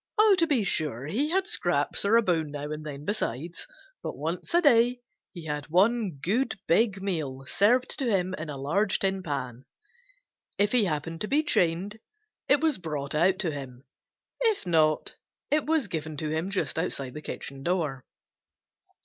To be sure, he had scraps or a bone now and then besides, but once a day he had one good big meal served to him in a large tin pan. If he happened to be chained, it was brought out to him. If not, it was given to him just outside the kitchen door.